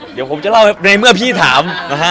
เดี๋ยวผมจะเล่าในเมื่อพี่ถามนะฮะ